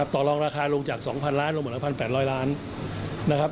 ต่อลองราคาลงจาก๒๐๐๐ล้านลงหมดลงจาก๑๘๐๐ล้าน